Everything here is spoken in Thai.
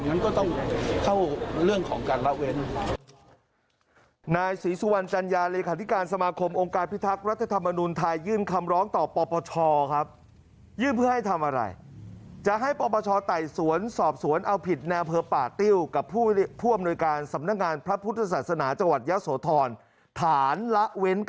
นั้นก็ต้องเข้าเรื่องของการละเว้น